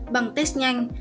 bằng test nhanh